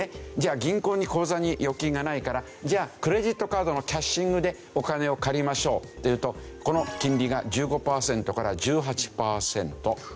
銀行に口座に預金がないからじゃあクレジットカードのキャッシングでお金を借りましょうっていうとこの金利が１５パーセントから１８パーセントというわけですね。